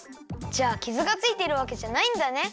じゃあキズがついてるわけじゃないんだね！